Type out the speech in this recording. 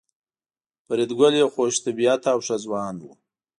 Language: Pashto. فریدګل یو خوش طبیعته او ښه ځوان و